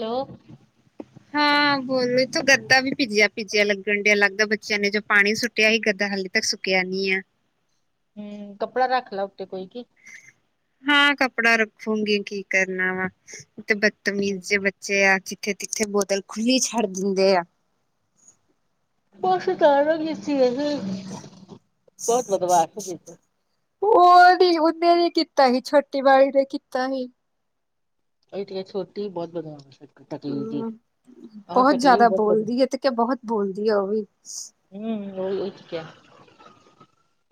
Hello. [inaudible] ਹਾਂ, ਬੋਲੋ ਤੋ ਗੱਦਾ ਵੀ ਭੀਜਿਆ-ਭੀਜਿਆ ਲੱਗਣ ਡਿਆ ਲੱਗਦਾ ਬੱਚਿਆਂ ਨੇ ਜੋਂ ਪਾਣੀ ਸੁੱਟ ਤੇ ਐਹੀ ਗੱਦਾ ਹਾਲੇ ਤੱਕ ਸੁੱਕਿਆ ਨੀ ਐ। ਹੁੰ, ਕੱਪੜਾ ਰੱਖ ਲੈ ਉੱਤੇ ਕੋਈ ਕੀ ਹਾਂ, ਕੱਪੜਾ ਰਖੂੰਗੀ ਕੀ ਕਰਨਾ ਵਾ ਤੇ ਬਤਮੀਜ਼ ਜੇ ਬੱਚੇ ਬੱਚੇ ਆ ਕਿੱਥੇ-ਕਿੱਥੇ ਬੋਤਲ ਖੁੱਲੀ ਛੱਡ ਦਿੰਦੇ ਆ [unintelligible] ਬੋਤ ਬਦਮਾਸ਼ ਹੋ ਗਏ। ਓਹ ਨੀ ਓਹਨੇ ਨੀ ਕੀਤਾ ਸੀ ਛੋਟੀ ਵਾਲੀ ਨੇ ਕੀਤਾ ਸੀ। ਓਹੀਂ ਤੇ ਐ ਛੋਟੀ ਵੀ ਬਹੋਤ ਬਦਮਾਸ ਏ, ਟਕਲੀ ਜੀ, ਹੂੰ ਆਹਾ ਬਹੁਤ ਟਕਲੀ ਵੀ ਜ਼ਿਆਦਾ ਬਹੋਤ ਬਦਮਾਸ਼ ਬੋਲਦੀ ਹੈ ਤੇ ਬਹੋਤ ਬੋਲਦੀ ਐ ਓਹ ਵੀ ਹੰ, ਓਈ-ਓਈ ਕਿਹਾ,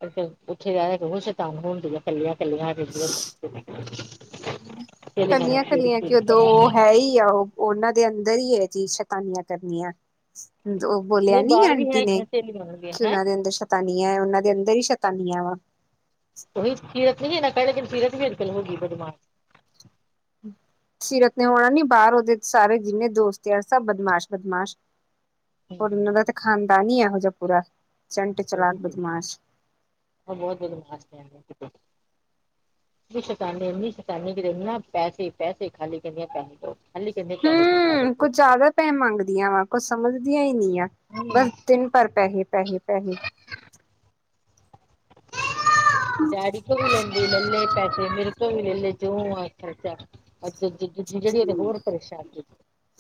[unintelligible] ਸ਼ੈਤਾਨ ਹੋਣ ਡਈ ਐ ਕੱਲੀਆਂ ਕੱਲੀਆਂ [unintelligible] ਸਈ ਆ ਓਹ ਓਹਨਾਂ ਦੇ ਅੰਦਰ ਈ ਐ ਏਹ ਚੀਜ, ਸ਼ਤਾਨੀਆਂ ਕਰਨੀਆਂ। ਓਹ ਬੋਲਿਆ ਨਹੀਂ ਨੀ ਬਾਹਰ ਵੀ ਆਂਟੀ ਨੇ ਹੈਗੀਆਂ ਸਹੇਲੀਆਂ ਉਹਨਾਂ ਦੀਆਂ ਕਿ ਹੈਂ ਓਹਨਾਂ ਦੇ ਅੰਦਰ ਸ਼ ਸ਼ਤਾਨਿਆਂ ਓਹਨਾਂ ਦੇ ਅੰਦਰ ਈ ਸ਼ਤਾਨੀਆਂ ਵ ਓਹੀ ਸੀਰਤ ਨਈ ਹੈ ਨਾ ਪਹਿਲੇ ਦਿਨ ਸੀਰਤ ਵੀ ਅੱਜਕਲ ਹੋ ਗਈ ਆ ਬਦਮਾਸ਼ ਸੀਰਤ ਨੇ ਹੋਨਾ ਨੀ, ਬਾਹਰ ਓਹਦੇ ਸਾਰੇ ਜਿੰਨੇ ਦੋਸਤ ਆ ਸਭ ਬਦਮਾਸ਼-ਬਦਮਾਸ਼ ਹੂੰ ਹੋਰ ਓਹਨਾਂ ਦਾ ਤੇ ਖਾਨਦਾਨ ਹੀ ਐਹੋ ਜਿਹਾ ਪੂਰਾ- ਚੰਟ, ਚਲਾਕ, ਬਦਮਾਸ਼। ਓਹ ਬੋਤ ਬਦਮਾਸ਼ ਨੇ ਐਵੇਂ ਪੇ ਕਈਏ ਨੀ ਸ਼ਤਾਨੀ ਇੰਨੀ ਸ਼ਤਾਨੀ ਕਿ ਇਨਾ ਪੈਸੇ ਪੈਸੇ ਖਾਲੀ ਕਹਨੇ ਪੈਸੇ ਦੋ ਖਾਲੀ ਕਹਿੰਦੇ ਪੈਸੇ ਦੋ ਸਾਰੇ ਹੁੰ, ਕੋਈ ਕੁਝ ਜ਼ਿਆਦਾ ਟੈਮ ਵੰਡਦੀਆਂ, ਕੁਝ ਸਮਝਦੀਆਂ ਹੀ ਨਹੀਂ ਆ। ਬਸ ਦਿਨ ਭਰ ਪੈਹੇ-ਪੈਹੇ-ਪੈਹੇ। ਡੈਡੀ ਤੋ ਵੀ [unintelligible] ਲਲੇ ਪੈਸੇ, ਮੇਰੇ ਤੋਂ ਵੀ ਲੈਲੇ [unintelligible] [unintelligible] ਜੇਹੜੀ ਓਹ ਤੇ ਹੋਰ ਪਰੇਸ਼ਾਨ ਜੇ,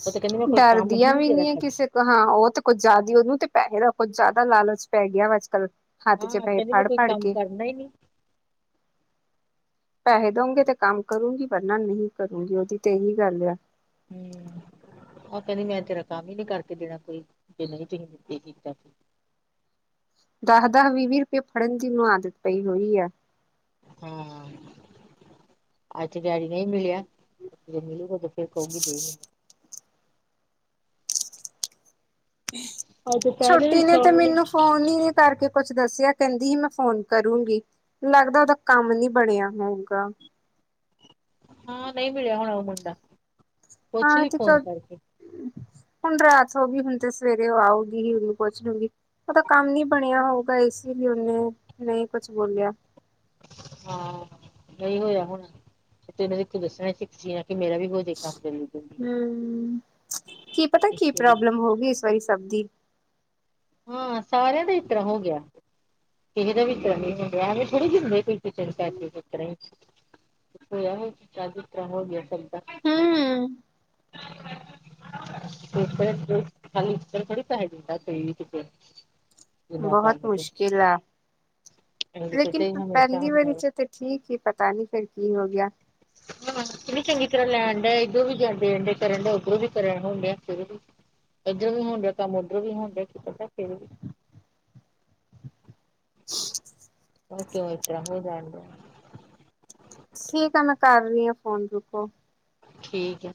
ਓਹ ਤੇ ਕਹਿੰਦੀ ਮੈਂ ਕੋਈ ਕੰਮ ਹੀ ਡਰਦੀਆਂ ਨਹੀਂ ਵੀ ਤੇਰਾ ਨੀ ਹੈ ਕਰਦੀ ਕਿਸੇ ਹਾਂ, ਓਹ ਤੇ ਕੁੱਝ ਜਿਆਦਾ ਹੀ ਓਹਨੂੰ ਤੇ ਪੈਹੇ ਦਾ ਕੁੱਝ ਜ਼ਿਆਦਾ ਲਾਲਚ ਪੈ ਗਿਆ ਵਾ ਅੱਜ-ਕੱਲ ਹੱਥ 'ਚ ਪੈਹੇ ਫ਼ੜ-ਫ਼ੜ ਕੇ ਨਈ-ਨਈ ਪੈਹੇ ਦੇਣਗੇ ਤੇ ਕੰਮ ਕਰੂੰਗੀ ਵਰਨਾ ਨਹੀਂ ਕਰੂੰਗੀ, ਓਹਦੀ ਤੇ ਐਹੀ ਗੱਲ ਆ ਹੂੰ, ਓਹ ਕਹਿੰਦੀ ਮੈਂ ਤੇਰਾ ਕੰਮ ਈ ਨਹੀਂ ਕਰਕੇ ਦੇਣਾ ਕੋਈ, ਜੇ ਮੈਨੂੰ [unintelligible] ਪੇ ਕੀਤਾ ਤੇ ਦਾਹ-ਦਾਹ, ਵੀਹ-ਵੀਹ ਰੁਪਏ ਫੜਨ ਦੀ ਉਹਨੂੰ ਆਦਤ ਪਈ ਹੋਈ ਐ। ਹਾਂ, ਅੱਜ ਡੈਡੀ ਨਹੀਂ ਮਿਲਿਆ, ਜਦੋਂ ਮਿਲੂਗਾ ਤੇ ਫਿਰ ਕਹੂਗੀ ਦੇ ਮੈਨੂੰ ਅੱਜ ਦੁਪਹਿਰੇ ਵੀ ਛੋਟੀ ਨੇ ਤੇ ਸੌ ਮੈਨੂੰ ਫੋਨ ਹੀ ਨੀ ਕਰਕੇ ਕੁਛ ਦੱਸਿਆ ਕਹਿੰਦੀ ਹੀ ਮੈਂ ਫੋਨ ਕਰੂੰਗੀ। ਲੱਗਦਾ ਉਹਦਾ ਕੰਮ ਨੀ ਬਣਿਆ, ਮੋਗਾ। ਹਾਂ ਨਹੀਂ ਮਿਲਿਆ ਹੁਣਾ ਉਹ ਮੁੰਡਾ। ਪੁੱਛ ਹਾਂ ਲਈ ਤੇ ਫੋਨ ਚਲ। ਕਰਕੇ ਹੁਣ ਰਾਤ ਹੋ ਗਈ, ਹੁਣ ਤੇ ਸਵੇਰੇ ਉਹ ਆਊਗੀ ਹੀ ਉਹਨੂੰ ਪੁੱਛ ਲੂੰਗੀ। ਓਹ ਦਾ ਕੰਮ ਨੀ ਬਣਿਆ ਹੋਊਗਾ ਇਸ ਲਈ ਉਹਨੇ ਨਹੀਂ ਕੁਛ ਬੋਲਿਆ। ਹਾਂ, ਨਹੀਂ ਹੋਇਆ ਹੋਣਾ ਨਈ ਤੇ ਮੈਨੂੰ ਇੱਥੇ ਦੱਸਣਾ ਸੀ ਜਿਵੇਂ ਕਿ ਮੇਰਾ ਵੀ ਬਹੁ ਹੁੰ, ਕੀ ਪਤਾ ਕੀ ਜਲਦੀ ਪ੍ਰੋਬਲਮ ਹੋ ਗਈ ਇਸ ਵਾਰੀ ਸਭ ਦੀ। ਹਾਂ ਸਾਰਿਆਂ ਦਾ ਐਹ ਤਰ੍ਹਾਂ ਹੋ ਗਿਆ, ਕਿਸੇ ਦਾ ਵੀ ਐਹ ਤਰਾਂ ਨੀ ਹੋਣ ਦਿਆ ਥੋੜੇ ਹੁੰਦੇ ਕੋਈ- ਕੋਈ ਪੈਸੇ ਐ ਤਰ੍ਹਾਂ ਹੀ, ਐਹ ਤਰ੍ਹਾਂ ਹੋ ਗਿਆ ਸ ਅੱਛਾ ਹੂੰ ਕੋਈ ਐ ਤਰਾਂ ਕੋਈ ਖਾਲੀ ਇਸ ਤਰਾਂ ਥੋੜਾ ਪੈਸੇ ਦਿੰਦਾ ਕੋਈ ਤੇ। ਬਹੁਤ ਮੁਸ਼ਕਿਲ ਐ। ਇਹਦੇ ਚ ਲੇਕਿਨ ਤੇ ਹਮੇਸ਼ਾ ਪਹਿਲੀ ਹੁੰਦਾ ਵਰੀ ਵਾ 'ਚ ਤਾਂ ਠੀਕ ਏ, ਪਤਾ ਨਹੀਂ ਫੇਰ ਕੀ ਹੋ ਗਿਆ। ਕਿੰਨੀ ਚੰਗੀ ਤਰ੍ਹਾਂ ਲੈਂਡ ਦੇ, ਇਧਰੋਂ ਵੀ ਦੇਣ ਕਰਨ ਡੇ, ਉੱਧਰੋਂ ਵੀ ਕਰਨ ਹੋਣਦੇ ਆ ਫੇਰ ਵੀ ਇੱਧਰ ਵੀ ਹੋਣ ਡਿਆ ਕੰਮ, ਉੱਧਰੋਂ ਵੀ ਹੋਣ ਡਿਆ ਕੀ ਪਤਾ ਕਰ [inaudible] ਉਹ ਕਿਉਂ ਇਸ ਤਰ੍ਹਾਂ ਹੋ ਜਾਣ ਦਿਆ। ਸੀਕ ਆ, ਮੈਂ ਕਰ ਰਹੀ ਆਂ ਫੋਨ ਰੁਕੋ। ਠੀਕ ਐ।